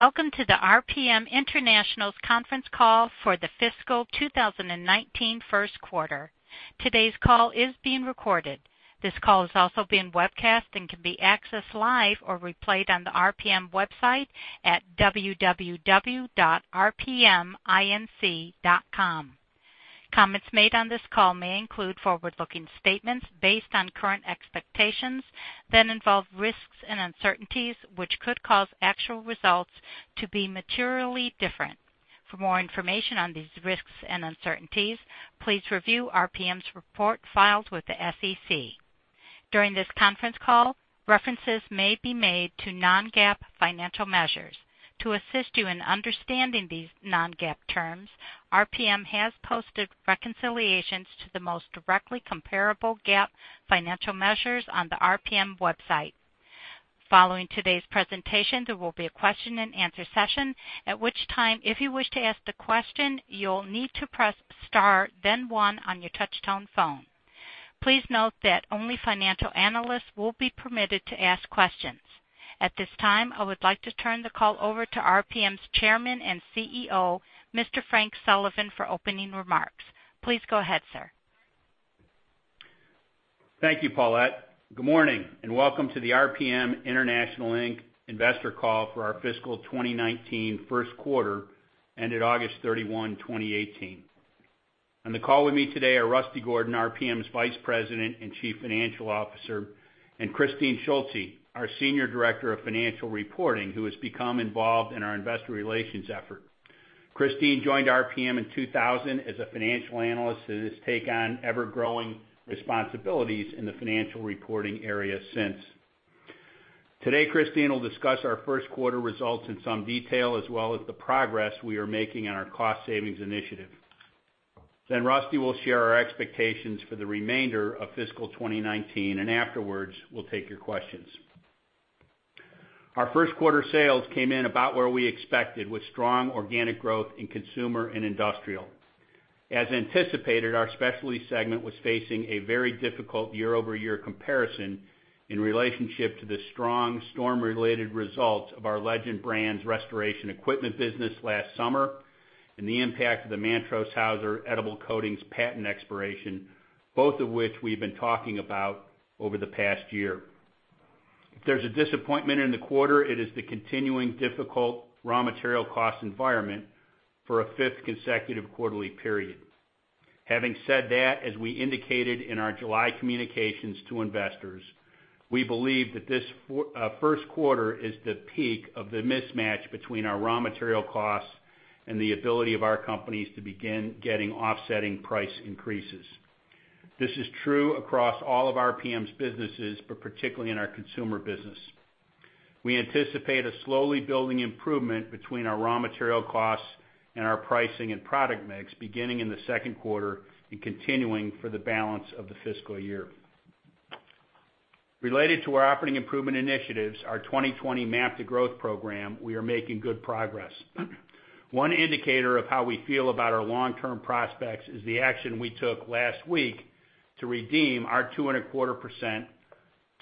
Welcome to the RPM International's conference call for the fiscal 2019 first quarter. Today's call is being recorded. This call is also being webcast and can be accessed live or replayed on the RPM website at www.rpminc.com. Comments made on this call may include forward-looking statements based on current expectations that involve risks and uncertainties, which could cause actual results to be materially different. For more information on these risks and uncertainties, please review RPM's report filed with the SEC. During this conference call, references may be made to non-GAAP financial measures. To assist you in understanding these non-GAAP terms, RPM has posted reconciliations to the most directly comparable GAAP financial measures on the RPM website. Following today's presentation, there will be a question and answer session, at which time, if you wish to ask the question, you'll need to press Star, then one on your touchtone phone. Please note that only financial analysts will be permitted to ask questions. At this time, I would like to turn the call over to RPM's Chairman and CEO, Mr. Frank Sullivan, for opening remarks. Please go ahead, sir. Thank you, Paulette. Good morning, and welcome to the RPM International Inc. Investor Call for our fiscal 2019 first quarter ended August 31, 2018. On the call with me today are Rusty Gordon, RPM's Vice President and Chief Financial Officer, and Kristine Schulze, our Senior Director of Financial Reporting, who has become involved in our investor relations effort. Kristine joined RPM in 2000 as a financial analyst and has taken on ever-growing responsibilities in the financial reporting area since. Today, Kristine will discuss our first quarter results in some detail, as well as the progress we are making on our cost savings initiative. Rusty will share our expectations for the remainder of fiscal 2019, and afterwards, we'll take your questions. Our first quarter sales came in about where we expected with strong organic growth in consumer and industrial. As anticipated, our specialty segment was facing a very difficult year-over-year comparison in relationship to the strong storm-related results of our Legend Brands restoration equipment business last summer and the impact of the Mantrose-Haeuser edible coatings patent expiration, both of which we've been talking about over the past year. If there's a disappointment in the quarter, it is the continuing difficult raw material cost environment for a fifth consecutive quarterly period. Having said that, as we indicated in our July communications to investors, we believe that this first quarter is the peak of the mismatch between our raw material costs and the ability of our companies to begin getting offsetting price increases. This is true across all of RPM's businesses, but particularly in our consumer business. We anticipate a slowly building improvement between our raw material costs and our pricing and product mix beginning in the second quarter and continuing for the balance of the fiscal year. Related to our operating improvement initiatives, our 2020 MAP to Growth program, we are making good progress. One indicator of how we feel about our long-term prospects is the action we took last week to redeem our two and a quarter percent,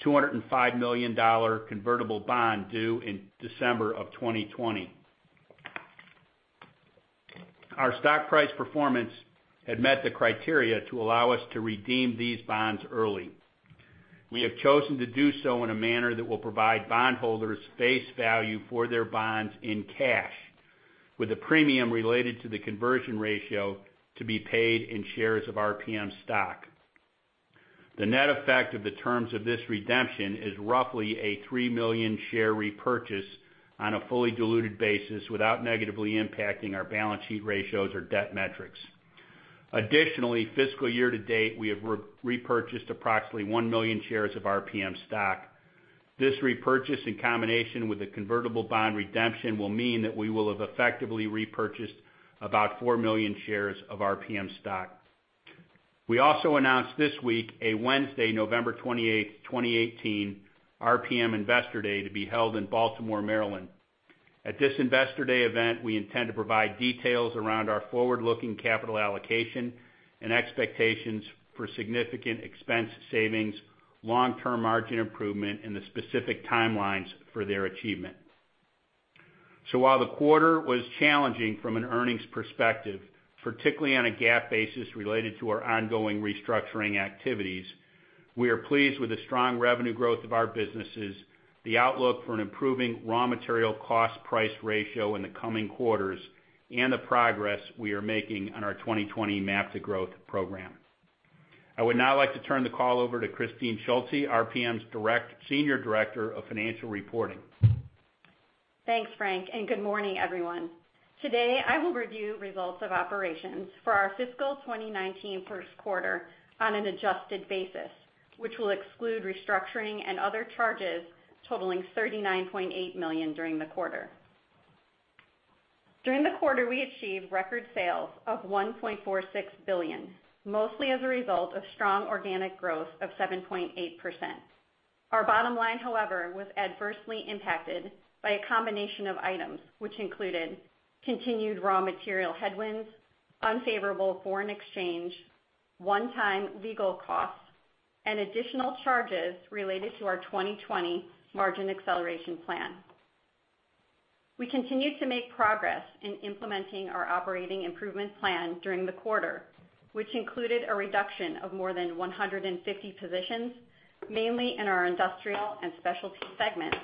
$205 million convertible bond due in December of 2020. Our stock price performance had met the criteria to allow us to redeem these bonds early. We have chosen to do so in a manner that will provide bondholders face value for their bonds in cash, with a premium related to the conversion ratio to be paid in shares of RPM stock. The net effect of the terms of this redemption is roughly a $3 million share repurchase on a fully diluted basis without negatively impacting our balance sheet ratios or debt metrics. Additionally, fiscal year to date, we have repurchased approximately $1 million shares of RPM stock. This repurchase, in combination with the convertible bond redemption, will mean that we will have effectively repurchased about $4 million shares of RPM stock. We also announced this week a Wednesday, November 28, 2018, RPM Investor Day to be held in Baltimore, Maryland. At this Investor Day event, we intend to provide details around our forward-looking capital allocation and expectations for significant expense savings, long-term margin improvement, and the specific timelines for their achievement. While the quarter was challenging from an earnings perspective, particularly on a GAAP basis related to our ongoing restructuring activities, we are pleased with the strong revenue growth of our businesses, the outlook for an improving raw material cost price ratio in the coming quarters, and the progress we are making on our 2020 MAP to Growth program. I would now like to turn the call over to Christine Schulze, RPM's Senior Director of Financial Reporting. Thanks, Frank, and good morning, everyone. Today, I will review results of operations for our fiscal 2019 first quarter on an adjusted basis, which will exclude restructuring and other charges totaling $39.8 million during the quarter. During the quarter, we achieved record sales of $1.46 billion, mostly as a result of strong organic growth of 7.8%. Our bottom line, however, was adversely impacted by a combination of items, which included continued raw material headwinds, unfavorable foreign exchange, one-time legal costs. Additional charges related to our 2020 Margin Acceleration Plan. We continue to make progress in implementing our operating improvement plan during the quarter, which included a reduction of more than 150 positions, mainly in our industrial and specialty segments,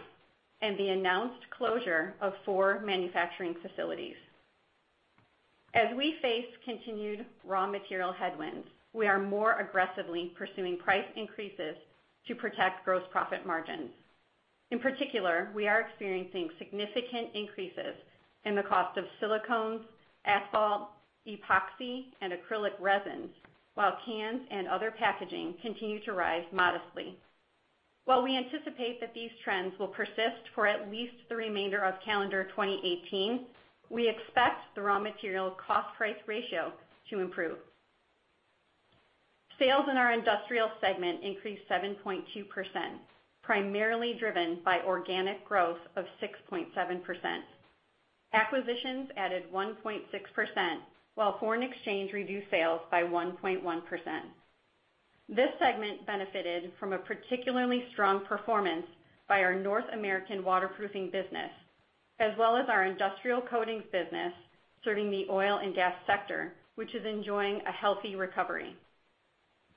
and the announced closure of four manufacturing facilities. As we face continued raw material headwinds, we are more aggressively pursuing price increases to protect gross profit margins. In particular, we are experiencing significant increases in the cost of silicones, asphalt, epoxy, and acrylic resins, while cans and other packaging continue to rise modestly. While we anticipate that these trends will persist for at least the remainder of calendar 2018, we expect the raw material cost price ratio to improve. Sales in our Industrial segment increased 7.2%, primarily driven by organic growth of 6.7%. Acquisitions added 1.6%, while foreign exchange reduced sales by 1.1%. This segment benefited from a particularly strong performance by our North American waterproofing business, as well as our industrial coatings business serving the oil and gas sector, which is enjoying a healthy recovery.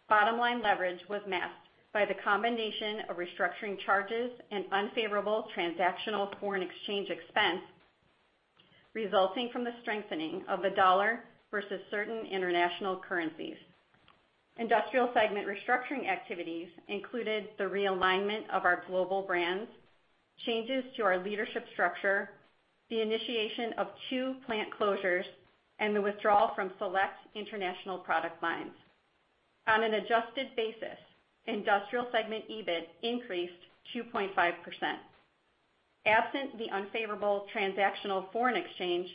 Bottom-line leverage was masked by the combination of restructuring charges and unfavorable transactional foreign exchange expense resulting from the strengthening of the dollar versus certain international currencies. Industrial segment restructuring activities included the realignment of our global brands, changes to our leadership structure, the initiation of two plant closures, and the withdrawal from select international product lines. On an adjusted basis, Industrial segment EBIT increased 2.5%. Absent the unfavorable transactional foreign exchange,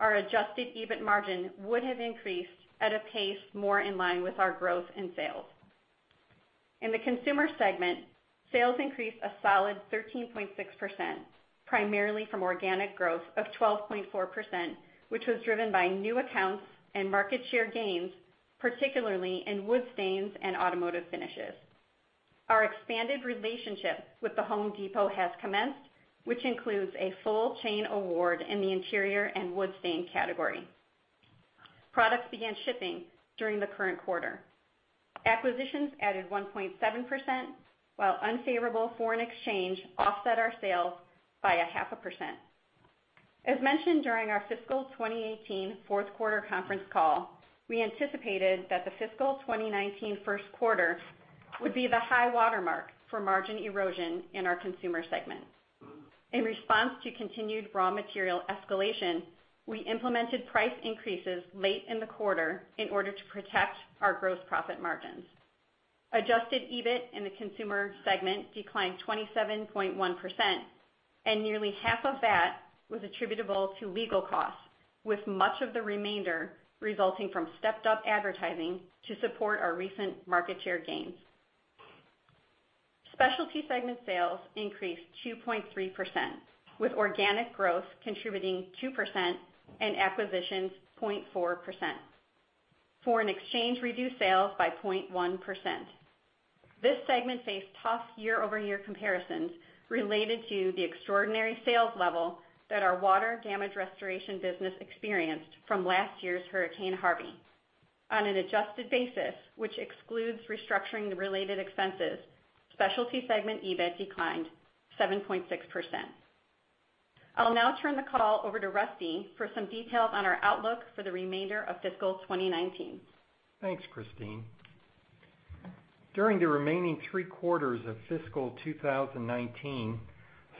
our adjusted EBIT margin would have increased at a pace more in line with our growth in sales. In the Consumer segment, sales increased a solid 13.6%, primarily from organic growth of 12.4%, which was driven by new accounts and market share gains, particularly in wood stains and automotive finishes. Our expanded relationship with The Home Depot has commenced, which includes a full chain award in the interior and wood stain category. Products began shipping during the current quarter. Acquisitions added 1.7%, while unfavorable foreign exchange offset our sales by 0.5%. As mentioned during our fiscal 2018 fourth quarter conference call, we anticipated that the fiscal 2019 first quarter would be the high watermark for margin erosion in our Consumer segment. In response to continued raw material escalation, we implemented price increases late in the quarter in order to protect our gross profit margins. Adjusted EBIT in the Consumer segment declined 27.1%, and nearly half of that was attributable to legal costs, with much of the remainder resulting from stepped-up advertising to support our recent market share gains. Specialty segment sales increased 2.3%, with organic growth contributing 2% and acquisitions 0.4%. Foreign exchange reduced sales by 0.1%. This segment faced tough year-over-year comparisons related to the extraordinary sales level that our water damage restoration business experienced from last year's Hurricane Harvey. On an adjusted basis, which excludes restructuring-related expenses, Specialty segment EBIT declined 7.6%. I'll now turn the call over to Rusty for some details on our outlook for the remainder of fiscal 2019. Thanks, Christine. During the remaining three quarters of fiscal 2019,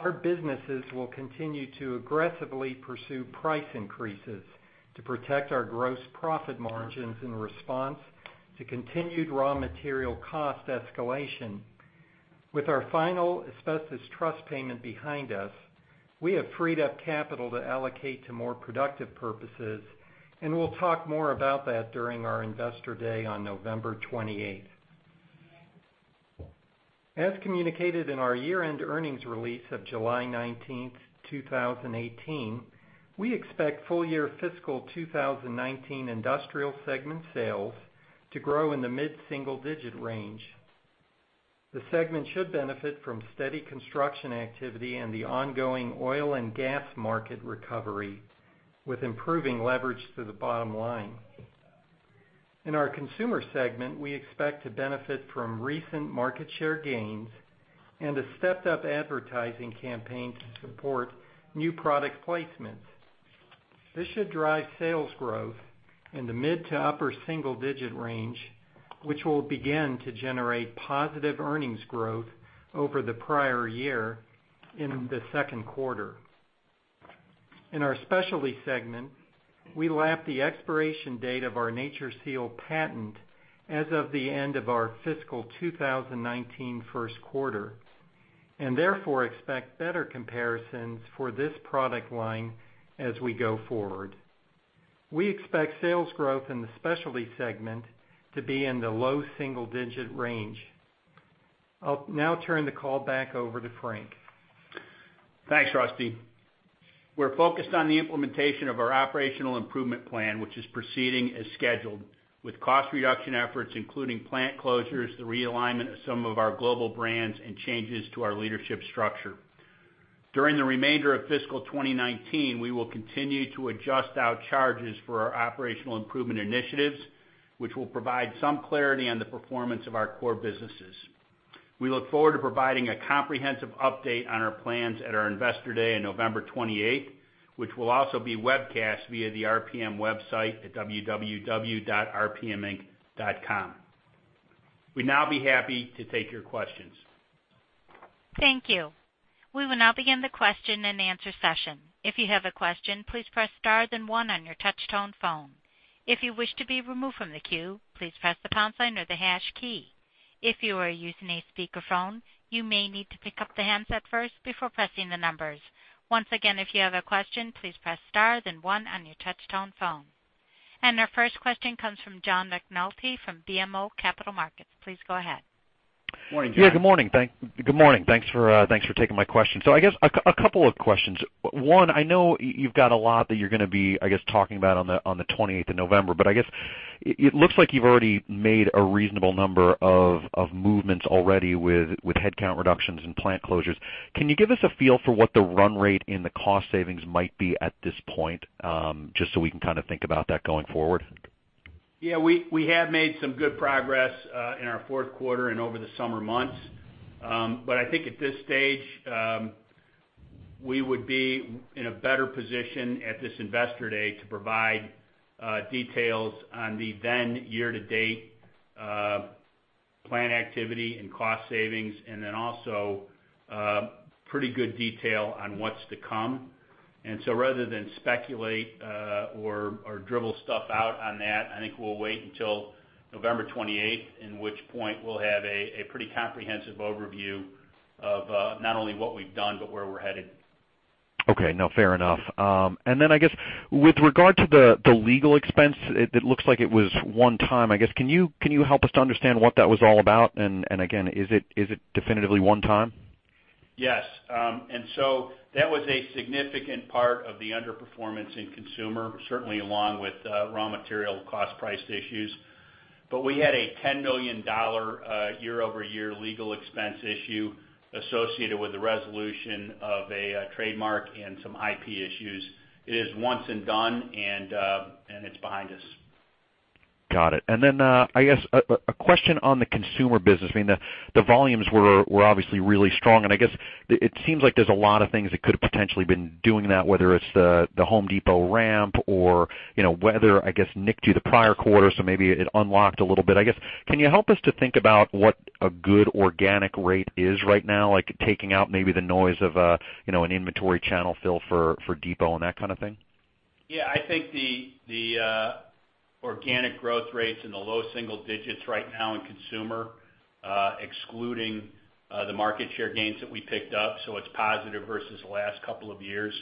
our businesses will continue to aggressively pursue price increases to protect our gross profit margins in response to continued raw material cost escalation. With our final asbestos trust payment behind us, we have freed up capital to allocate to more productive purposes, and we'll talk more about that during our Investor Day on November 28th. As communicated in our year-end earnings release of July 19th, 2018, we expect full-year fiscal 2019 Industrial segment sales to grow in the mid-single-digit range. The segment should benefit from steady construction activity and the ongoing oil and gas market recovery, with improving leverage to the bottom line. In our Consumer segment, we expect to benefit from recent market share gains and a stepped-up advertising campaign to support new product placements. This should drive sales growth in the mid to upper single-digit range, which will begin to generate positive earnings growth over the prior year in the second quarter. In our Specialty segment, we lapped the expiration date of our NatureSeal patent as of the end of our fiscal 2019 first quarter and therefore expect better comparisons for this product line as we go forward. We expect sales growth in the Specialty segment to be in the low single-digit range. I'll now turn the call back over to Frank. Thanks, Rusty. We're focused on the implementation of our Operational Improvement Plan, which is proceeding as scheduled, with cost reduction efforts, including plant closures, the realignment of some of our global brands, and changes to our leadership structure. During the remainder of fiscal 2019, we will continue to adjust our charges for our operational improvement initiatives, which will provide some clarity on the performance of our core businesses. We look forward to providing a comprehensive update on our plans at our Investor Day on November 28th, which will also be webcast via the RPM website at www.rpminc.com. We'd now be happy to take your questions. Thank you. We will now begin the question and answer session. If you have a question, please press star then one on your touch tone phone. If you wish to be removed from the queue, please press the pound sign or the hash key. If you are using a speakerphone, you may need to pick up the handset first before pressing the numbers. Once again, if you have a question, please press star then one on your touch tone phone. Our first question comes from John McNulty from BMO Capital Markets. Please go ahead. Morning, John. Good morning. Thanks for taking my question. I guess, a couple of questions. One, I know you've got a lot that you're going to be, I guess, talking about on the 28th of November, I guess it looks like you've already made a reasonable number of movements already with headcount reductions and plant closures. Can you give us a feel for what the run rate in the cost savings might be at this point? Just so we can kind of think about that going forward. We have made some good progress in our fourth quarter and over the summer months. I think at this stage, we would be in a better position at this Investor Day to provide details on the then year to date plan activity and cost savings, then also pretty good detail on what's to come. Rather than speculate or drivel stuff out on that, I think we'll wait until November 28th, in which point we'll have a pretty comprehensive overview of not only what we've done, but where we're headed. Okay. No, fair enough. Then, I guess, with regard to the legal expense, it looks like it was one time, I guess. Can you help us to understand what that was all about? Again, is it definitively one time? Yes. That was a significant part of the underperformance in consumer, certainly along with raw material cost price issues. We had a $10 million year-over-year legal expense issue associated with the resolution of a trademark and some IP issues. It is once and done, and it's behind us. Got it. I guess, a question on the consumer business. I mean, the volumes were obviously really strong, and I guess it seems like there's a lot of things that could have potentially been doing that, whether it's the Home Depot ramp or weather, I guess, nicked you the prior quarter, so maybe it unlocked a little bit. I guess, can you help us to think about what a good organic rate is right now, like taking out maybe the noise of an inventory channel fill for Depot and that kind of thing? Yeah, I think the organic growth rate's in the low single digits right now in consumer, excluding the market share gains that we picked up, so it's positive versus the last couple of years.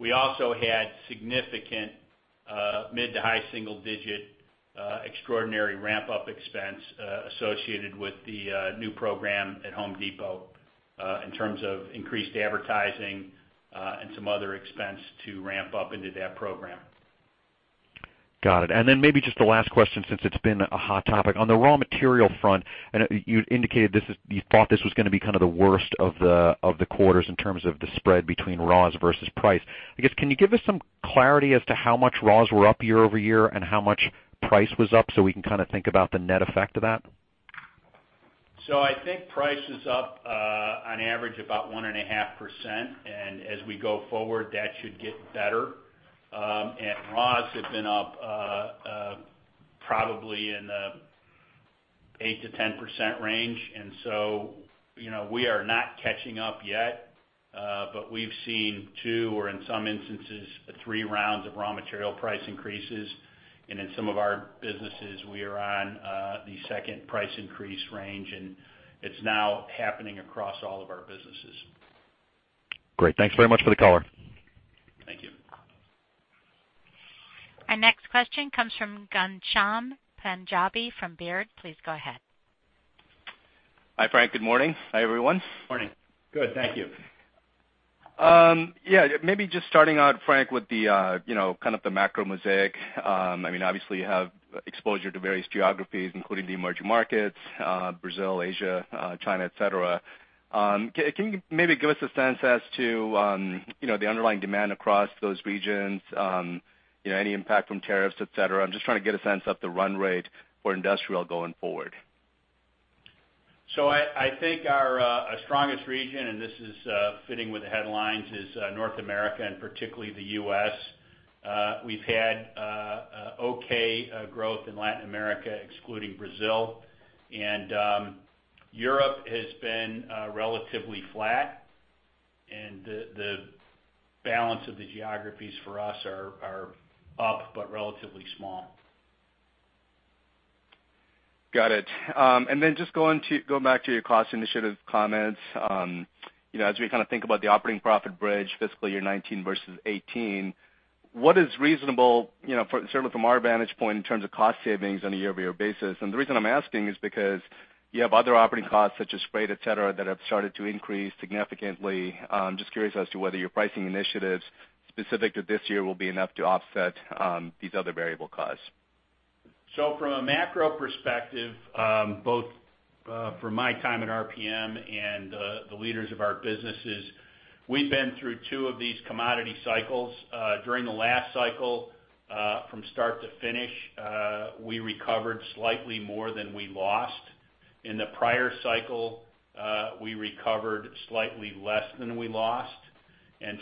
We also had significant mid to high single digit extraordinary ramp-up expense associated with the new program at Home Depot, in terms of increased advertising and some other expense to ramp up into that program. Got it. Maybe just the last question, since it's been a hot topic. On the raw material front, you indicated you thought this was going to be kind of the worst of the quarters in terms of the spread between raws versus price. I guess, can you give us some clarity as to how much raws were up year-over-year and how much price was up so we can kind of think about the net effect of that? I think price is up on average about 1.5%, and as we go forward, that should get better. Raws have been up probably in the 8%-10% range. We are not catching up yet. We've seen 2, or in some instances, 3 rounds of raw material price increases. In some of our businesses, we are on the second price increase range, and it's now happening across all of our businesses. Great. Thanks very much for the color. Thank you. Our next question comes from Ghansham Panjabi from Baird. Please go ahead. Hi, Frank. Good morning. Hi, everyone. Morning. Good, thank you. Yeah. Maybe just starting out, Frank, with kind of the macro mosaic. Obviously you have exposure to various geographies, including the emerging markets, Brazil, Asia, China, et cetera. Can you maybe give us a sense as to the underlying demand across those regions? Any impact from tariffs, et cetera? I'm just trying to get a sense of the run rate for industrial going forward. I think our strongest region, and this is fitting with the headlines, is North America and particularly the U.S. We've had okay growth in Latin America, excluding Brazil. Europe has been relatively flat, and the balance of the geographies for us are up, but relatively small. Got it. Just going back to your cost initiative comments. As we kind of think about the operating profit bridge fiscal year 2019 versus 2018, what is reasonable, certainly from our vantage point in terms of cost savings on a year-over-year basis? The reason I'm asking is because you have other operating costs such as freight, et cetera, that have started to increase significantly. I'm just curious as to whether your pricing initiatives specific to this year will be enough to offset these other variable costs. From a macro perspective, both from my time at RPM and the leaders of our businesses, we've been through two of these commodity cycles. During the last cycle, from start to finish, we recovered slightly more than we lost. In the prior cycle, we recovered slightly less than we lost.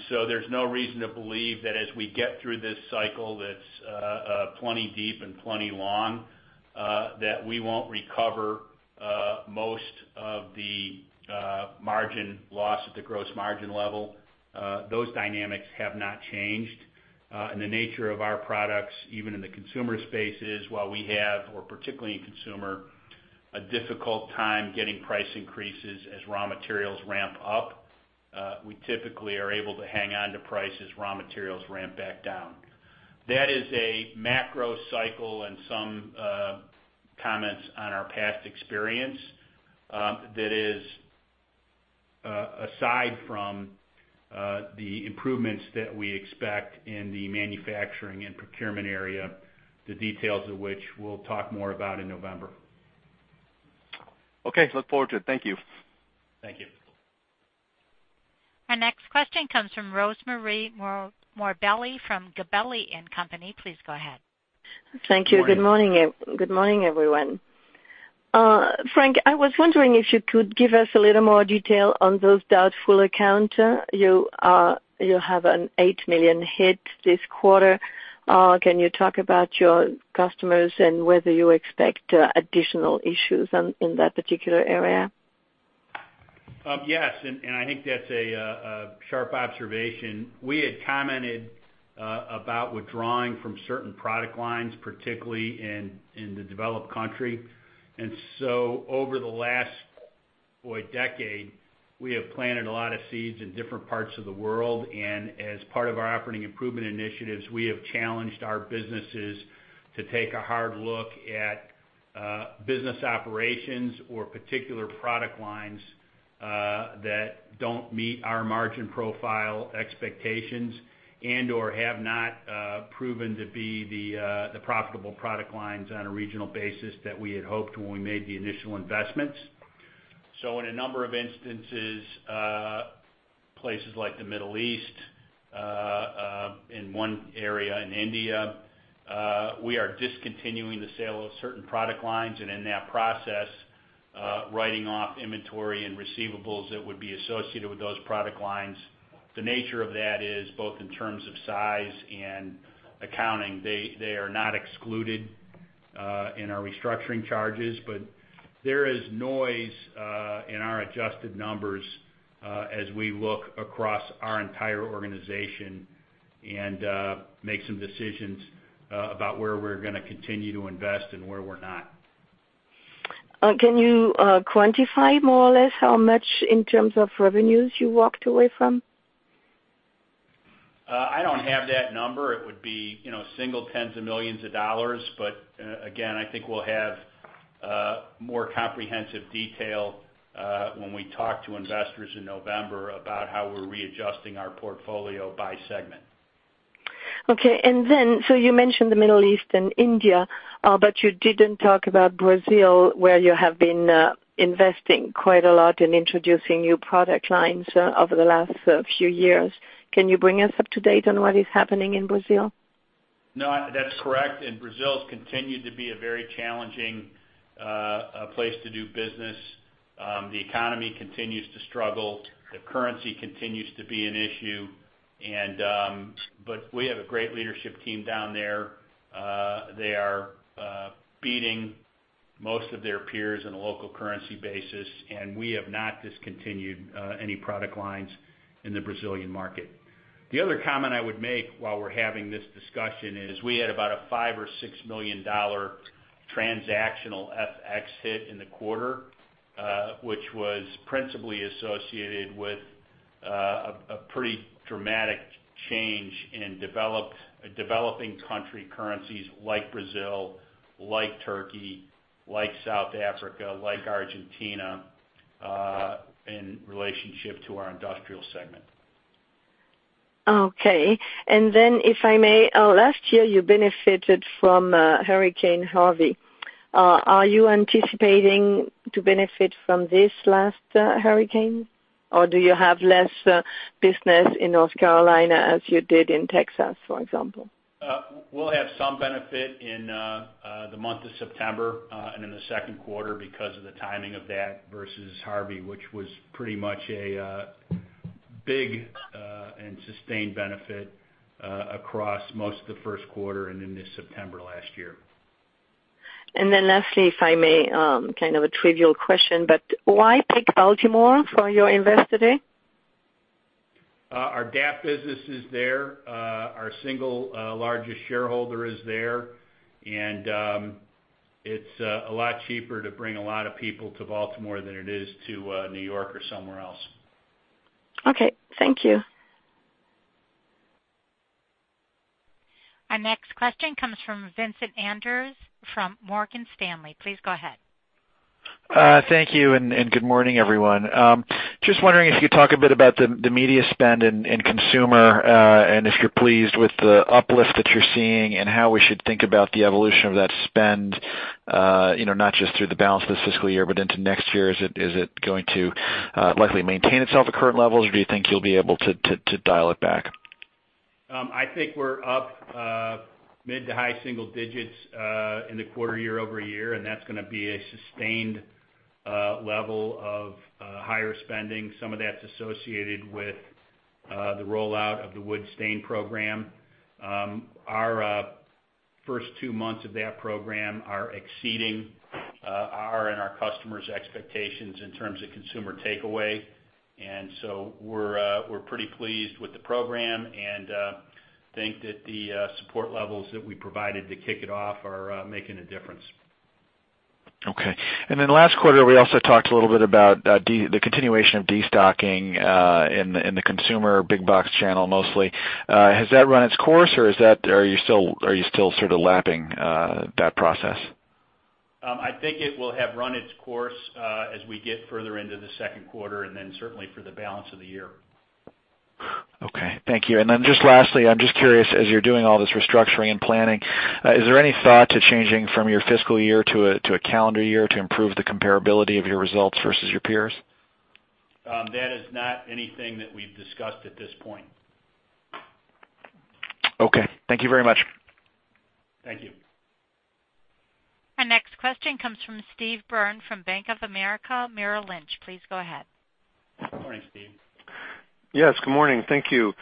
There's no reason to believe that as we get through this cycle that's plenty deep and plenty long, that we won't recover most of the margin loss at the gross margin level. Those dynamics have not changed. The nature of our products, even in the consumer space, is while we have, or particularly in consumer, a difficult time getting price increases as raw materials ramp up, we typically are able to hang on to price as raw materials ramp back down. That is a macro cycle and some comments on our past experience. That is aside from the improvements that we expect in the manufacturing and procurement area, the details of which we'll talk more about in November. Okay. Look forward to it. Thank you. Thank you. Our next question comes from Rosemarie Morbelli from Gabelli & Company. Please go ahead. Thank you. Good morning, everyone. Frank, I was wondering if you could give us a little more detail on those doubtful accounts. You have an $8 million hit this quarter. Can you talk about your customers and whether you expect additional issues in that particular area? Yes, I think that's a sharp observation. We had commented about withdrawing from certain product lines, particularly in the developed country. Over the last, boy, decade, we have planted a lot of seeds in different parts of the world, and as part of our operating improvement initiatives, we have challenged our businesses to take a hard look at business operations or particular product lines that don't meet our margin profile expectations and/or have not proven to be the profitable product lines on a regional basis that we had hoped when we made the initial investments. In a number of instances, places like the Middle East, in one area in India, we are discontinuing the sale of certain product lines and in that process, writing off inventory and receivables that would be associated with those product lines. The nature of that is both in terms of size and accounting. They are not excluded in our restructuring charges, but there is noise in our adjusted numbers as we look across our entire organization and make some decisions about where we're going to continue to invest and where we're not. Can you quantify more or less how much in terms of revenues you walked away from? I don't have that number. It would be single tens of millions of dollars. Again, I think we'll have more comprehensive detail when we talk to investors in November about how we're readjusting our portfolio by segment. Okay. You mentioned the Middle East and India, but you didn't talk about Brazil, where you have been investing quite a lot in introducing new product lines over the last few years. Can you bring us up to date on what is happening in Brazil? No, that's correct. Brazil has continued to be a very challenging place to do business. The economy continues to struggle. The currency continues to be an issue. We have a great leadership team down there. They are beating most of their peers on a local currency basis, and we have not discontinued any product lines in the Brazilian market. The other comment I would make while we're having this discussion is we had about a $5 million or $6 million transactional FX hit in the quarter, which was principally associated with a pretty dramatic change in developing country currencies like Brazil, like Turkey, like South Africa, like Argentina, in relationship to our industrial segment. Okay. Then, if I may, last year you benefited from Hurricane Harvey. Are you anticipating to benefit from this last hurricane, or do you have less business in North Carolina as you did in Texas, for example? We'll have some benefit in the month of September and in the second quarter because of the timing of that versus Harvey, which was pretty much a big and sustained benefit across most of the first quarter and into September last year. Then lastly, if I may, kind of a trivial question, why pick Baltimore for your investor day? Our DAP business is there. Our single largest shareholder is there. It's a lot cheaper to bring a lot of people to Baltimore than it is to New York or somewhere else. Okay. Thank you. Our next question comes from Vincent Andrews from Morgan Stanley. Please go ahead. Thank you, good morning, everyone. Just wondering if you could talk a bit about the media spend in consumer, and if you're pleased with the uplift that you're seeing, and how we should think about the evolution of that spend, not just through the balance of this fiscal year but into next year. Is it going to likely maintain itself at current levels, or do you think you'll be able to dial it back? I think we're up mid to high single digits in the quarter year-over-year, and that's going to be a sustained level of higher spending. Some of that's associated with the rollout of the wood stain program. Our first two months of that program are exceeding our and our customers' expectations in terms of consumer takeaway. We're pretty pleased with the program and think that the support levels that we provided to kick it off are making a difference. Okay. Last quarter, we also talked a little bit about the continuation of destocking in the consumer big box channel mostly. Has that run its course, or are you still sort of lapping that process? I think it will have run its course as we get further into the second quarter, and then certainly for the balance of the year. Okay. Thank you. Just lastly, I'm just curious, as you're doing all this restructuring and planning, is there any thought to changing from your fiscal year to a calendar year to improve the comparability of your results versus your peers? That is not anything that we've discussed at this point. Okay. Thank you very much. Thank you. Our next question comes from Steve Byrne from Bank of America Merrill Lynch. Please go ahead. Morning, Steve. Yes, good morning. Thank you.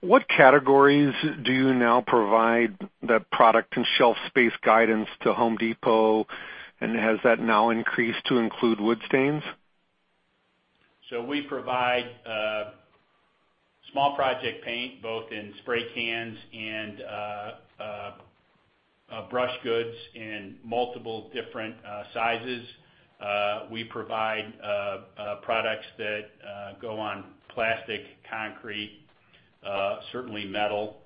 What categories do you now provide the product and shelf space guidance to Home Depot, has that now increased to include wood stains? We provide small project paint, both in spray cans and brush goods in multiple different sizes. We provide products that go on plastic, concrete, certainly metal.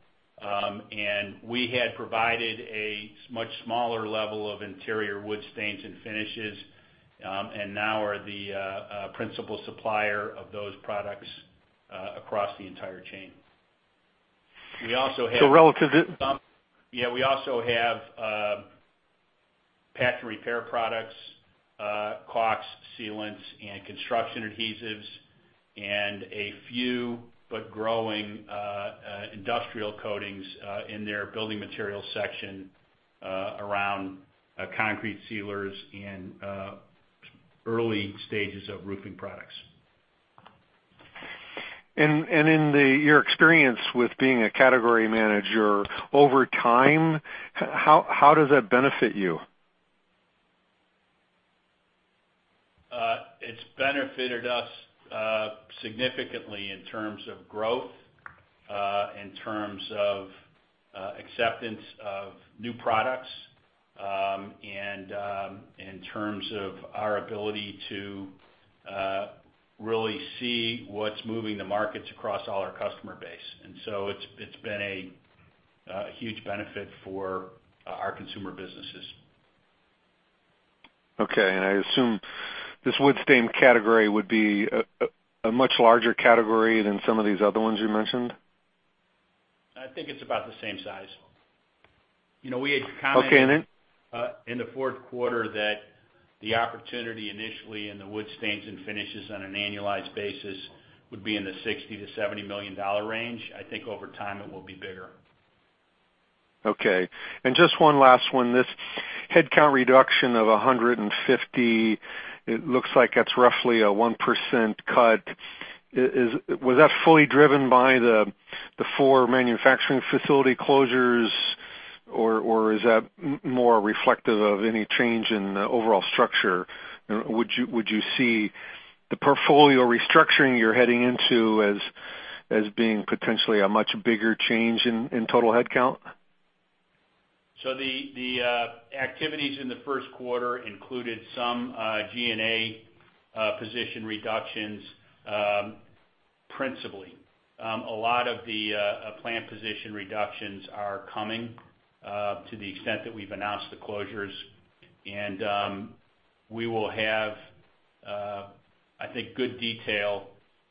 We had provided a much smaller level of interior wood stains and finishes, and now are the principal supplier of those products across the entire chain. So relative- Yeah. We also have patch and repair products, caulks, sealants, and construction adhesives, and a few, but growing, industrial coatings in their building materials section around concrete sealers and early stages of roofing products. In your experience with being a category manager over time, how does that benefit you? It's benefited us significantly in terms of growth, in terms of acceptance of new products, and in terms of our ability to really see what's moving the markets across all our customer base. So it's been a huge benefit for our consumer businesses. Okay. I assume this wood stain category would be a much larger category than some of these other ones you mentioned? I think it's about the same size. We had commented. Okay. Then. in the fourth quarter that the opportunity initially in the wood stains and finishes on an annualized basis would be in the $60 million-$70 million range. I think over time it will be bigger. Okay. Just one last one. This headcount reduction of 150, it looks like that's roughly a 1% cut. Was that fully driven by the four manufacturing facility closures, or is that more reflective of any change in the overall structure? Would you see the portfolio restructuring you're heading into as being potentially a much bigger change in total headcount? The activities in the first quarter included some G&A position reductions, principally. A lot of the plant position reductions are coming to the extent that we've announced the closures, and we will have, I think, good detail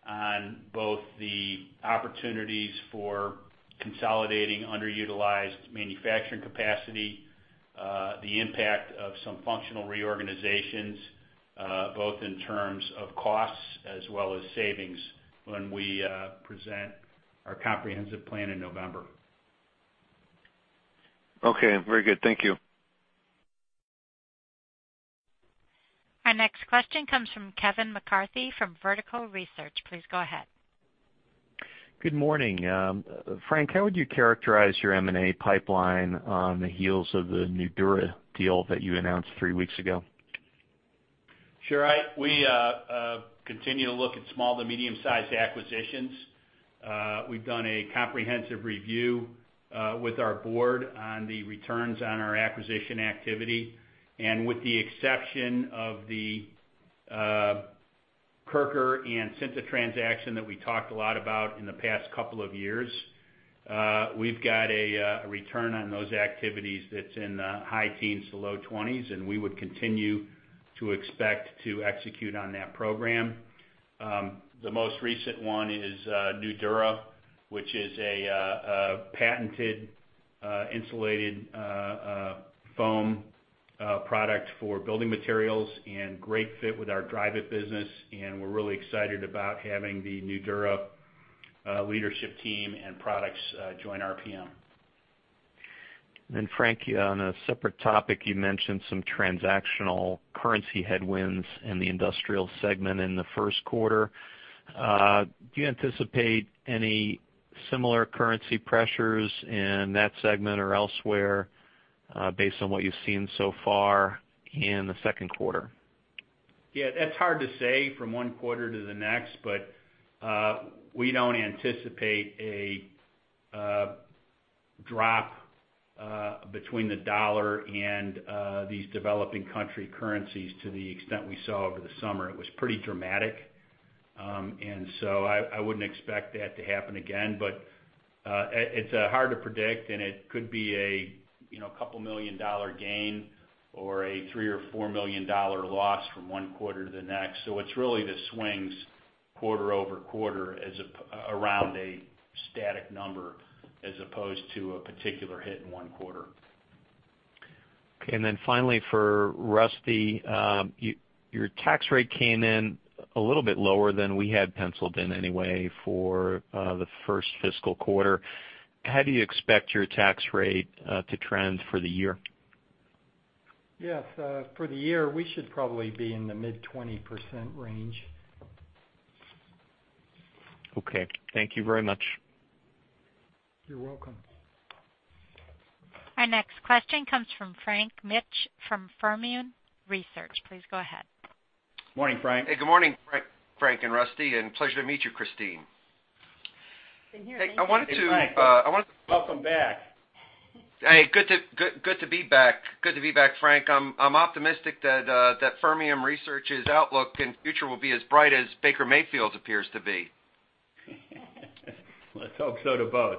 on both the opportunities for consolidating underutilized manufacturing capacity, the impact of some functional reorganizations, both in terms of costs as well as savings when we present our comprehensive plan in November. Okay. Very good. Thank you. Our next question comes from Kevin McCarthy from Vertical Research. Please go ahead. Good morning. Frank, how would you characterize your M&A pipeline on the heels of the Nudura deal that you announced three weeks ago? Sure. We continue to look at small to medium-sized acquisitions. We've done a comprehensive review with our board on the returns on our acquisition activity. With the exception of the Kirker and Cintas transaction that we talked a lot about in the past couple of years, we've got a return on those activities that's in the high teens to low 20s, and we would continue to expect to execute on that program. The most recent one is Nudura, which is a patented insulated foam product for building materials, and great fit with our Dryvit business. We're really excited about having the Nudura leadership team and products join RPM. Frank, on a separate topic, you mentioned some transactional currency headwinds in the industrial segment in the first quarter. Do you anticipate any similar currency pressures in that segment or elsewhere, based on what you've seen so far in the second quarter? Yeah. That's hard to say from one quarter to the next, but we don't anticipate a drop between the dollar and these developing country currencies to the extent we saw over the summer. It was pretty dramatic. I wouldn't expect that to happen again, but it's hard to predict, and it could be a couple million dollar gain or a $3 million or $4 million loss from one quarter to the next. It's really the swings quarter-over-quarter around a static number as opposed to a particular hit in one quarter. Okay, finally, for Rusty, your tax rate came in a little bit lower than we had penciled in anyway for the first fiscal quarter. How do you expect your tax rate to trend for the year? Yes. For the year, we should probably be in the mid 20% range. Okay. Thank you very much. You're welcome. Our next question comes from Frank Mitsch from Fermium Research. Please go ahead. Morning, Frank. Hey, good morning, Frank and Rusty. Pleasure to meet you, Kristine. Same here. Thank you. Hey, Frank. Welcome back. Hey, good to be back, Frank. I'm optimistic that Fermium Research's outlook and future will be as bright as Baker Mayfield's appears to be. Let's hope so to both.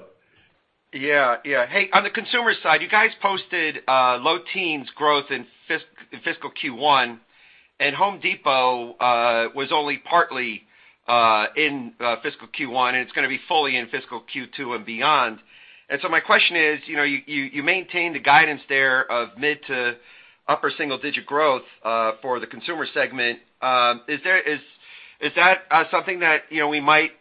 Yeah. Hey, on the consumer side, you guys posted low teens growth in fiscal Q1, Home Depot was only partly in fiscal Q1, and it's going to be fully in fiscal Q2 and beyond. My question is, you maintain the guidance there of mid to upper single-digit growth for the consumer segment. Is that something that we might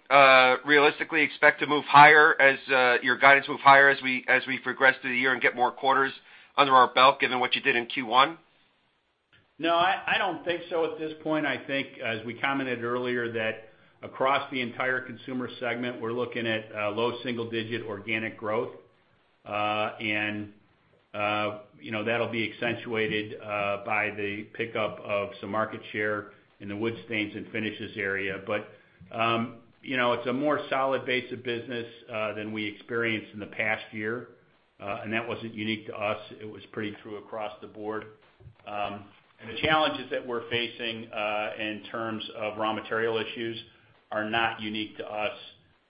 realistically expect to move higher as your guidance move higher, as we progress through the year and get more quarters under our belt, given what you did in Q1? No, I don't think so at this point. I think, as we commented earlier, that across the entire consumer segment, we're looking at low single digit organic growth. That'll be accentuated by the pickup of some market share in the wood stains and finishes area. It's a more solid base of business than we experienced in the past year. That wasn't unique to us. It was pretty true across the board. The challenges that we're facing in terms of raw material issues are not unique to us.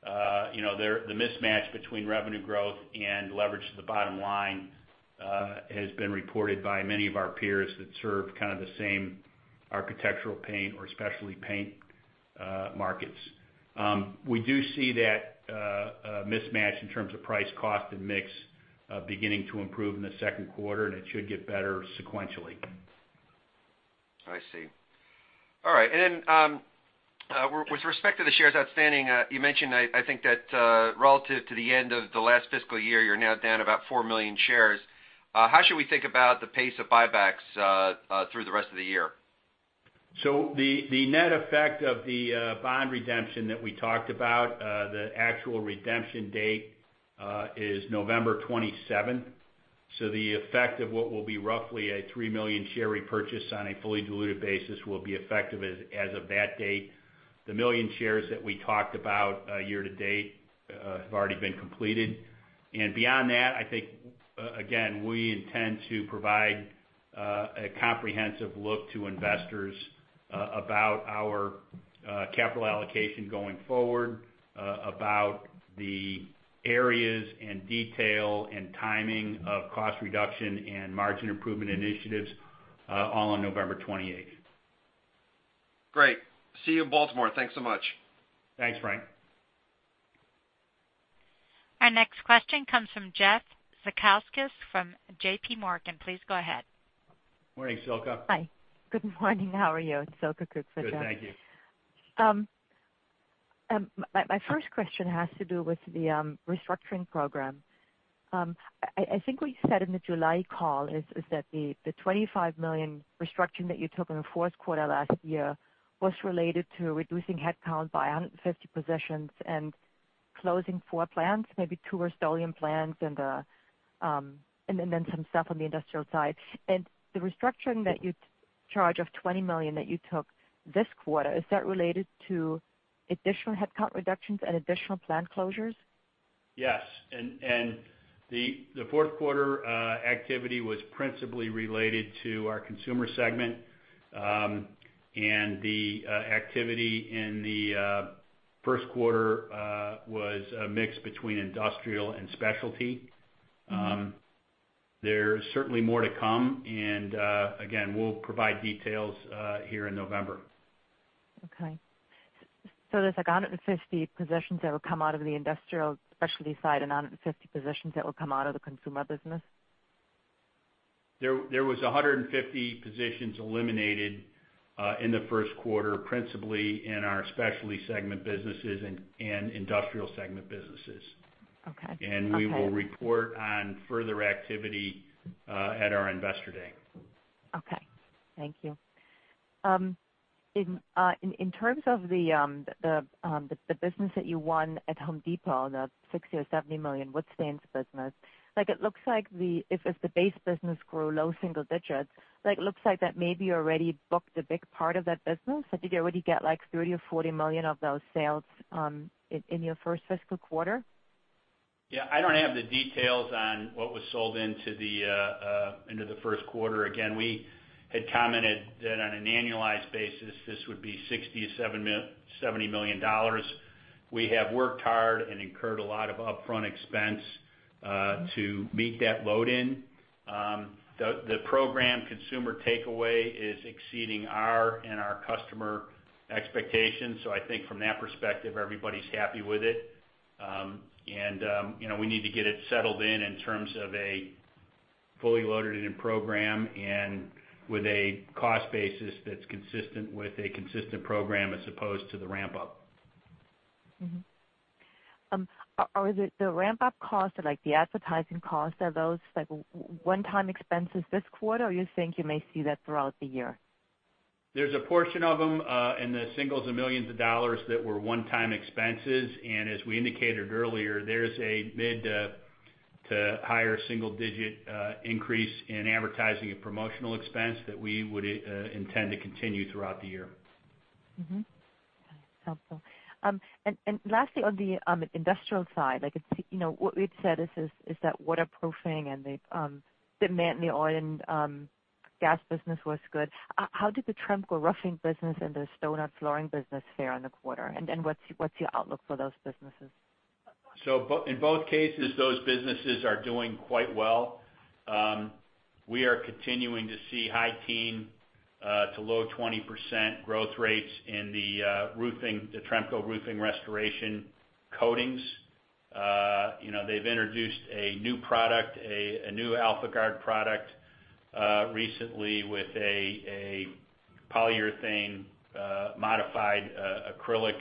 The mismatch between revenue growth and leverage to the bottom line has been reported by many of our peers that serve kind of the same architectural paint or specialty paint markets. We do see that mismatch in terms of price, cost, and mix beginning to improve in the second quarter, and it should get better sequentially. With respect to the shares outstanding, you mentioned, I think that relative to the end of the last fiscal year, you are now down about four million shares. How should we think about the pace of buybacks through the rest of the year? The net effect of the bond redemption that we talked about, the actual redemption date is November 27th. The effect of what will be roughly a three million share repurchase on a fully diluted basis will be effective as of that date. The million shares that we talked about year-to-date have already been completed. Beyond that, I think, again, we intend to provide a comprehensive look to investors about our capital allocation going forward, about the areas and detail and timing of cost reduction and margin improvement initiatives all on November 28th. Great. See you in Baltimore. Thanks so much. Thanks, Frank. Our next question comes from Jeff Zekauskas from JPMorgan. Please go ahead. Morning, Silke. Hi. Good morning. How are you? Silke Kueck. Good, thank you. My first question has to do with the restructuring program. I think what you said in the July call is that the $25 million restructuring that you took in the fourth quarter last year was related to reducing headcount by 150 positions and closing four plants, maybe two Rust-Oleum plants and then some stuff on the industrial side. The restructuring charge of $20 million that you took this quarter, is that related to additional headcount reductions and additional plant closures? Yes. The fourth quarter activity was principally related to our consumer segment. The activity in the first quarter was a mix between industrial and specialty. There's certainly more to come. Again, we'll provide details here in November. Okay. There's 150 positions that will come out of the industrial specialty side and 150 positions that will come out of the consumer business? There was 150 positions eliminated in the first quarter, principally in our specialty segment businesses and industrial segment businesses. Okay. We will report on further activity at our Investor Day. Okay, thank you. In terms of the business that you won at Home Depot, the $60 million or $70 million wood stains business, if the base business grew low single digits, looks like that maybe you already booked a big part of that business. Did you already get $30 million or $40 million of those sales in your first fiscal quarter? Yeah, I don't have the details on what was sold into the first quarter. Again, we had commented that on an annualized basis, this would be $60 million to $70 million. We have worked hard and incurred a lot of upfront expense to meet that load-in. The program consumer takeaway is exceeding our and our customer expectations. I think from that perspective, everybody's happy with it. We need to get it settled in terms of a fully loaded in program and with a cost basis that's consistent with a consistent program as opposed to the ramp-up. Mm-hmm. The ramp-up costs, like the advertising costs, are those one-time expenses this quarter, or you think you may see that throughout the year? There's a portion of them in the singles and millions of dollars that were one-time expenses. As we indicated earlier, there's a mid-to-higher single-digit increase in advertising and promotional expense that we would intend to continue throughout the year. Mm-hmm. Helpful. Lastly, on the industrial side, what we've said is that waterproofing and the demand in the oil and gas business was good. How did the Tremco roofing business and the Stonhard flooring business fare in the quarter? What's your outlook for those businesses? In both cases, those businesses are doing quite well. We are continuing to see high-teen to low 20% growth rates in the Tremco roofing restoration coatings. They've introduced a new AlphaGuard product recently with a polyurethane modified acrylic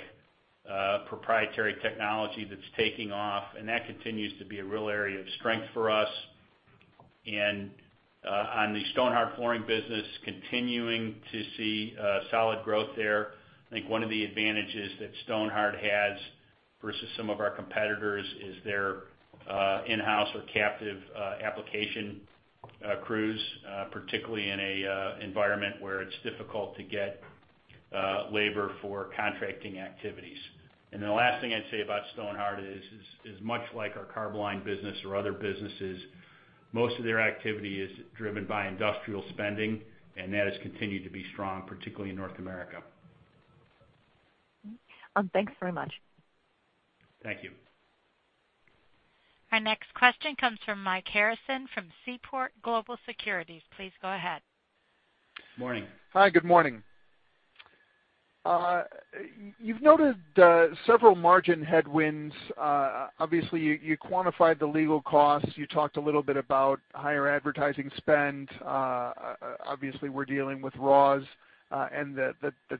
proprietary technology that's taking off, and that continues to be a real area of strength for us. On the Stonhard flooring business, continuing to see solid growth there. I think one of the advantages that Stonhard has versus some of our competitors is their in-house or captive application crews, particularly in an environment where it's difficult to get labor for contracting activities. The last thing I'd say about Stonhard is much like our Carboline business or other businesses, most of their activity is driven by industrial spending, and that has continued to be strong, particularly in North America. Thanks very much. Thank you. Our next question comes from Michael Harrison from Seaport Global Securities. Please go ahead. Morning. Hi, good morning. You've noted several margin headwinds. You quantified the legal costs. You talked a little bit about higher advertising spend. We're dealing with raws and the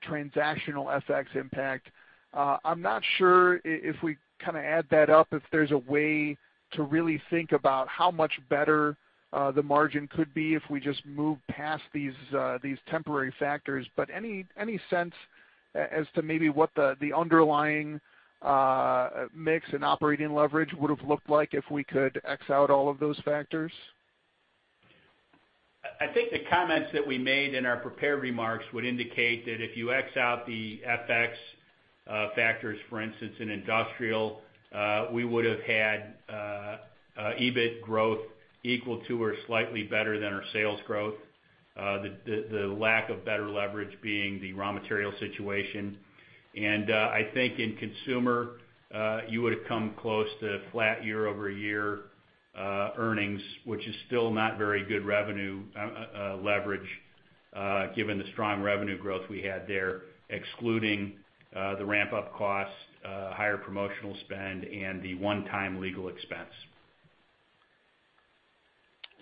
transactional FX impact. I'm not sure if we add that up, if there's a way to really think about how much better the margin could be if we just move past these temporary factors. Any sense as to maybe what the underlying mix and operating leverage would have looked like if we could X out all of those factors? I think the comments that we made in our prepared remarks would indicate that if you X out the FX factors, for instance, in industrial, we would have had EBIT growth equal to or slightly better than our sales growth. The lack of better leverage being the raw material situation. I think in consumer, you would have come close to flat year-over-year earnings, which is still not very good revenue leverage given the strong revenue growth we had there, excluding the ramp-up cost, higher promotional spend, and the one-time legal expense.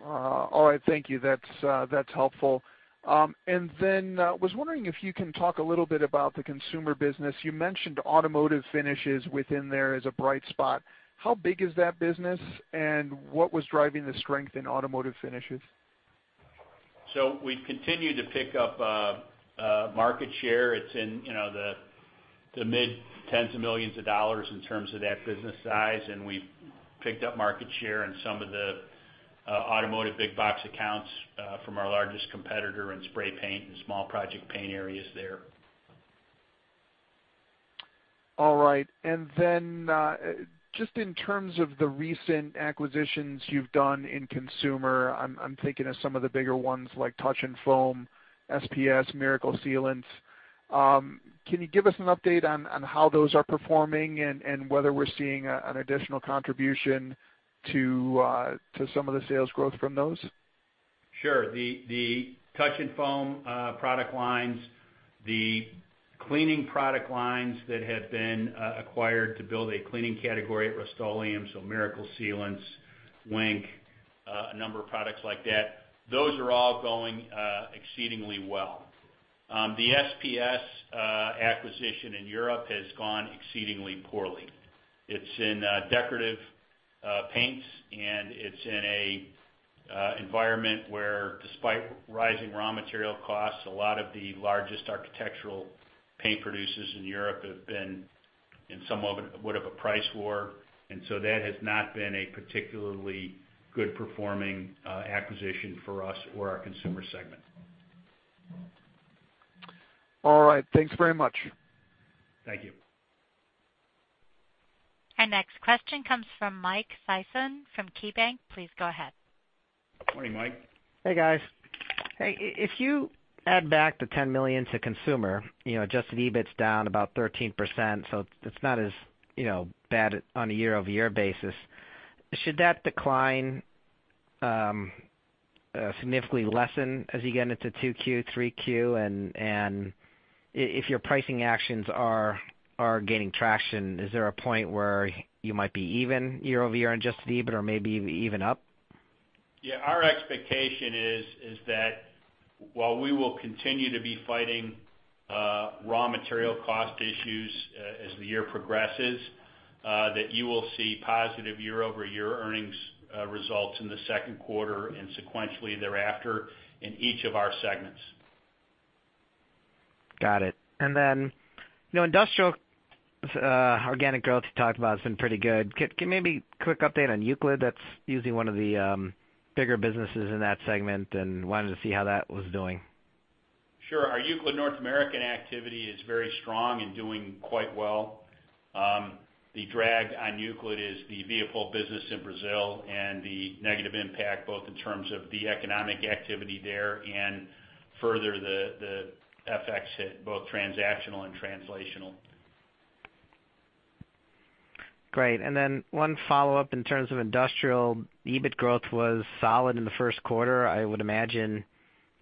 All right. Thank you. That's helpful. I was wondering if you can talk a little bit about the consumer business. You mentioned automotive finishes within there as a bright spot. How big is that business and what was driving the strength in automotive finishes? We've continued to pick up market share. It's in the mid tens of millions of dollars in terms of that business size, and we've picked up market share in some of the automotive big box accounts from our largest competitor in spray paint and small project paint areas there. All right. Just in terms of the recent acquisitions you've done in consumer, I'm thinking of some of the bigger ones like Touch 'n Foam, SPS, Miracle Sealants. Can you give us an update on how those are performing and whether we're seeing an additional contribution to some of the sales growth from those? Sure. The Touch 'n Foam product lines, the cleaning product lines that have been acquired to build a cleaning category at Rust-Oleum, so Miracle Sealants, Whink, a number of products like that, those are all going exceedingly well. The SPS acquisition in Europe has gone exceedingly poorly. It's in decorative paints, and it's in an environment where, despite rising raw material costs, a lot of the largest architectural paint producers in Europe have been in somewhat of a price war. That has not been a particularly good performing acquisition for us or our consumer segment. All right. Thanks very much. Thank you. Our next question comes from Mike Sison from KeyBanc. Please go ahead. Morning, Mike. Hey, guys. If you add back the $10 million to consumer, adjusted EBIT's down about 13%. It's not as bad on a year-over-year basis. Should that decline significantly lessen as you get into 2Q, 3Q? If your pricing actions are gaining traction, is there a point where you might be even year-over-year on adjusted EBIT, or maybe even up? Our expectation is that while we will continue to be fighting raw material cost issues as the year progresses, that you will see positive year-over-year earnings results in the second quarter and sequentially thereafter in each of our segments. Got it. Industrial's organic growth you talked about has been pretty good. Can maybe a quick update on Euclid? That's usually one of the bigger businesses in that segment, wanted to see how that was doing. Sure. Our Euclid North American activity is very strong and doing quite well. The drag on Euclid is the vehicle business in Brazil and the negative impact both in terms of the economic activity there and further the FX hit, both transactional and translational. Great. One follow-up in terms of Industrial. EBIT growth was solid in the first quarter. I would imagine,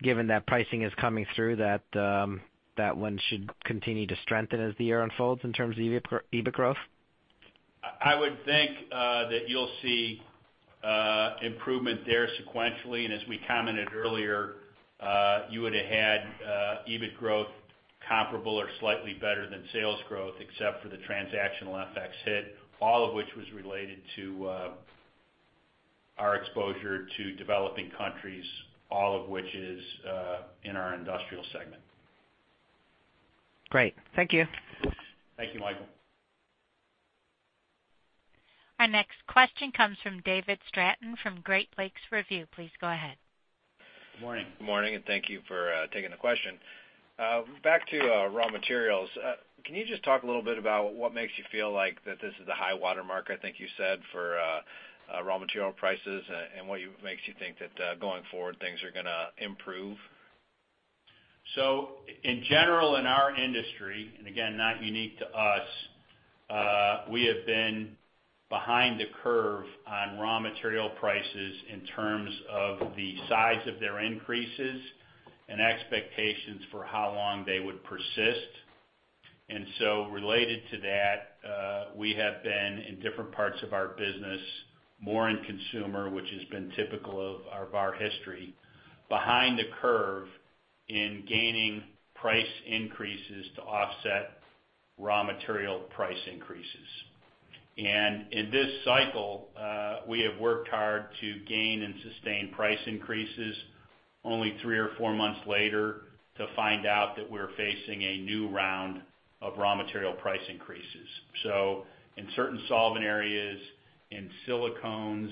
given that pricing is coming through, that one should continue to strengthen as the year unfolds in terms of EBIT growth? I would think that you'll see improvement there sequentially. As we commented earlier, you would've had EBIT growth comparable or slightly better than sales growth, except for the transactional FX hit, all of which was related to our exposure to developing countries, all of which is in our Industrial segment. Great. Thank you. Thank you, Michael. Our next question comes from David Stratton from Great Lakes Review. Please go ahead. Good morning. Good morning. Thank you for taking the question. Back to raw materials, can you just talk a little bit about what makes you feel like that this is the high-water mark, I think you said, for raw material prices, and what makes you think that going forward, things are gonna improve? In general, in our industry, again, not unique to us, we have been behind the curve on raw material prices in terms of the size of their increases and expectations for how long they would persist. Related to that, we have been in different parts of our business, more in consumer, which has been typical of our history, behind the curve in gaining price increases to offset raw material price increases. In this cycle, we have worked hard to gain and sustain price increases only three or four months later to find out that we're facing a new round of raw material price increases. In certain solvent areas, in silicones,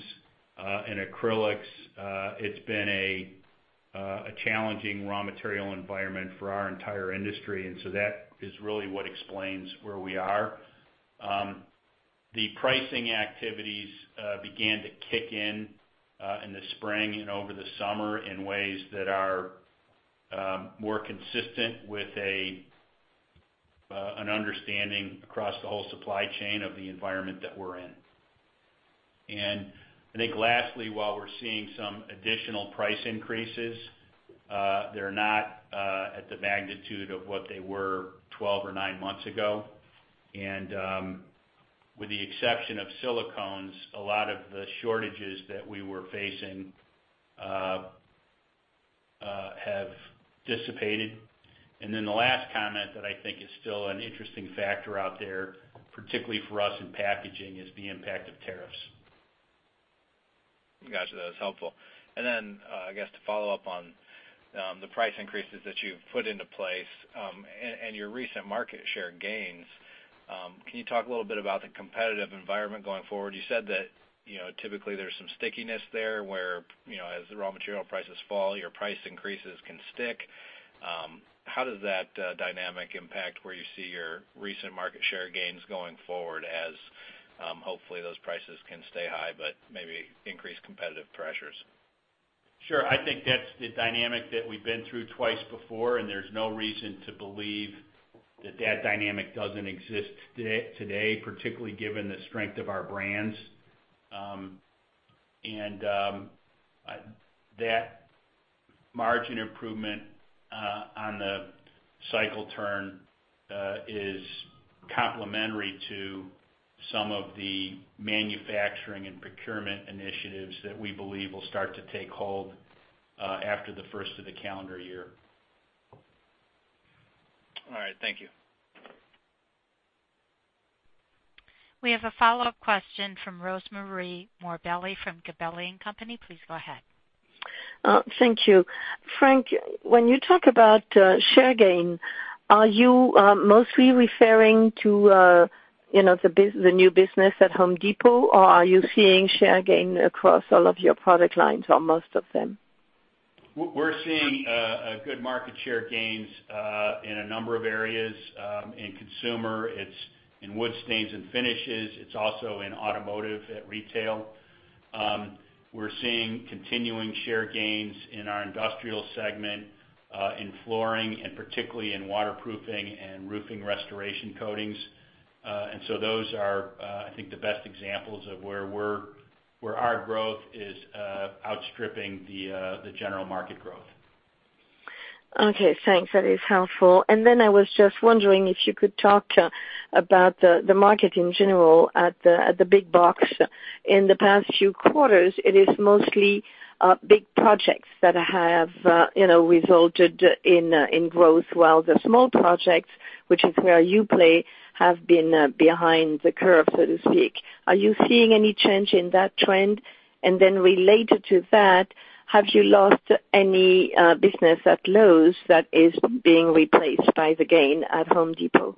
in acrylics, it's been a challenging raw material environment for our entire industry. That is really what explains where we are. The pricing activities began to kick in in the spring and over the summer in ways that are more consistent with an understanding across the whole supply chain of the environment that we're in. I think lastly, while we're seeing some additional price increases, they're not at the magnitude of what they were 12 or nine months ago. With the exception of silicones, a lot of the shortages that we were facing dissipated. Then the last comment that I think is still an interesting factor out there, particularly for us in packaging, is the impact of tariffs. Got you. That was helpful. Then, I guess to follow up on the price increases that you've put into place, and your recent market share gains, can you talk a little bit about the competitive environment going forward? You said that typically there's some stickiness there, whereas the raw material prices fall, your price increases can stick. How does that dynamic impact where you see your recent market share gains going forward as hopefully those prices can stay high, but maybe increase competitive pressures? Sure. I think that's the dynamic that we've been through twice before, there's no reason to believe that dynamic doesn't exist today, particularly given the strength of our brands. That margin improvement on the cycle turn is complementary to some of the manufacturing and procurement initiatives that we believe will start to take hold after the first of the calendar year. All right, thank you. We have a follow-up question from Rosemarie Morbelli from Gabelli & Company. Please go ahead. Thank you. Frank, when you talk about share gain, are you mostly referring to the new business at Home Depot, or are you seeing share gain across all of your product lines or most of them? We're seeing good market share gains in a number of areas. In consumer, it's in wood stains and finishes. It's also in automotive at retail. We're seeing continuing share gains in our industrial segment, in flooring, and particularly in waterproofing and roofing restoration coatings. Those are, I think, the best examples of where our growth is outstripping the general market growth. Okay, thanks. That is helpful. I was just wondering if you could talk about the market in general at the big box. In the past few quarters, it is mostly big projects that have resulted in growth, while the small projects, which is where you play, have been behind the curve, so to speak. Are you seeing any change in that trend? Related to that, have you lost any business at Lowe's that is being replaced by the gain at Home Depot?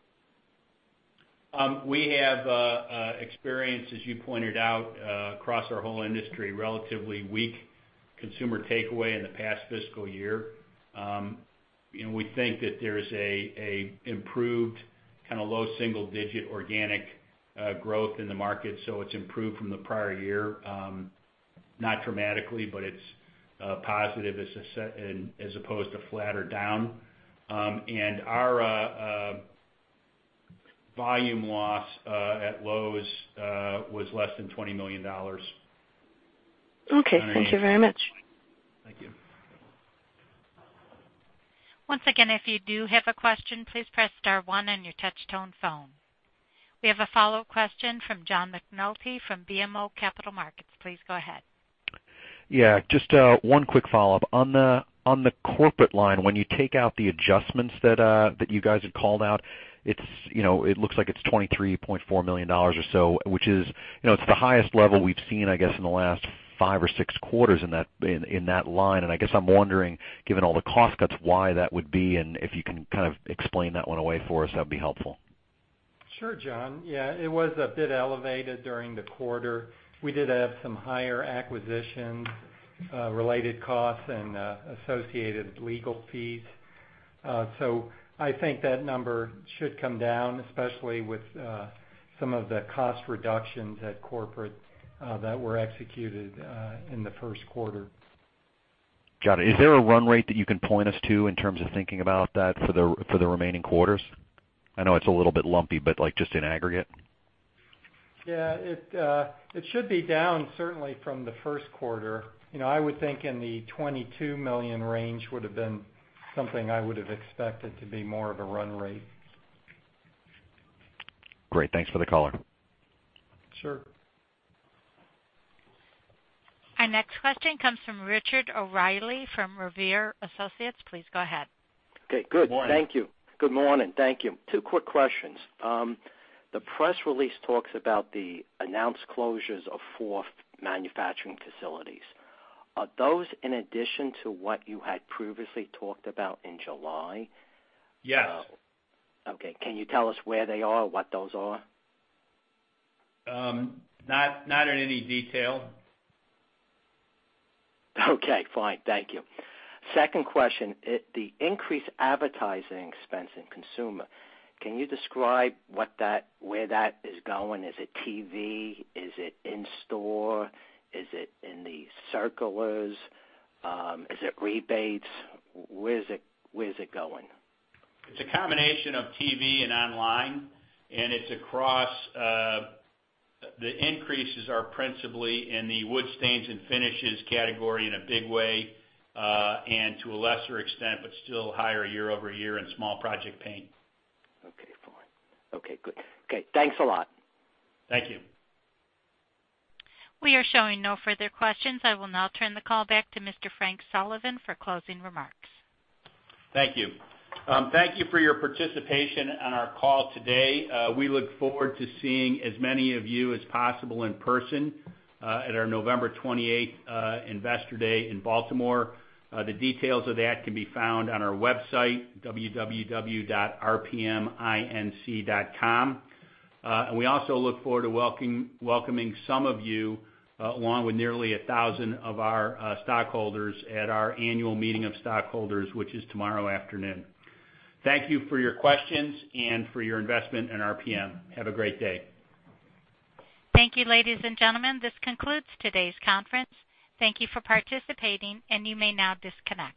We have experienced, as you pointed out, across our whole industry, relatively weak consumer takeaway in the past fiscal year. We think that there's an improved kind of low single-digit organic growth in the market, so it's improved from the prior year. Not dramatically, but it's positive as opposed to flat or down. Our volume loss at Lowe's was less than $20 million. Okay. Thank you very much. Thank you. Once again, if you do have a question, please press star one on your touch-tone phone. We have a follow-up question from John McNulty from BMO Capital Markets. Please go ahead. Just one quick follow-up. On the corporate line, when you take out the adjustments that you guys had called out, it looks like it's $23.4 million or so, which is the highest level we've seen, I guess, in the last five or six quarters in that line. I guess I'm wondering, given all the cost cuts, why that would be, and if you can kind of explain that one away for us, that'd be helpful. Sure, John. Yeah, it was a bit elevated during the quarter. We did have some higher acquisitions, related costs, and associated legal fees. I think that number should come down, especially with some of the cost reductions at corporate that were executed in the first quarter. Got it. Is there a run rate that you can point us to in terms of thinking about that for the remaining quarters? I know it's a little bit lumpy, but, like, just in aggregate. Yeah. It should be down certainly from the first quarter. I would think in the $22 million range would have been something I would have expected to be more of a run rate. Great. Thanks for the color. Sure. Our next question comes from Richard O'Reilly from Revere Associates. Please go ahead. Okay, good. Good morning. Thank you. Good morning. Thank you. Two quick questions. The press release talks about the announced closures of four manufacturing facilities. Are those in addition to what you had previously talked about in July? Yes. Okay. Can you tell us where they are or what those are? Not in any detail. Okay, fine. Thank you. Second question, the increased advertising expense in consumer, can you describe where that is going? Is it TV? Is it in store? Is it in the circulars? Is it rebates? Where is it going? It's a combination of TV and online. The increases are principally in the wood stains and finishes category in a big way, and to a lesser extent, but still higher year-over-year in small project paint. Okay, fine. Okay, good. Okay, thanks a lot. Thank you. We are showing no further questions. I will now turn the call back to Mr. Frank Sullivan for closing remarks. Thank you. Thank you for your participation on our call today. We look forward to seeing as many of you as possible in person at our November 28th investor day in Baltimore. The details of that can be found on our website, www.rpminc.com. We also look forward to welcoming some of you, along with nearly 1,000 of our stockholders, at our annual meeting of stockholders, which is tomorrow afternoon. Thank you for your questions and for your investment in RPM. Have a great day. Thank you, ladies and gentlemen. This concludes today's conference. Thank you for participating, and you may now disconnect.